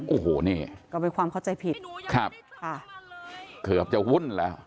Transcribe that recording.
โอ้โหนี่ก็เป็นความเข้าใจผิดครับค่ะเกือบจะวุ่นแล้ว